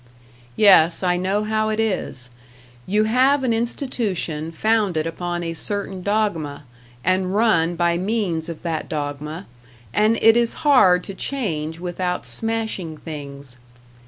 Yes, I know how it is. You have an institution founded upon a certain dogma, and run by means of that dogma, and it is hard to change without smashing things.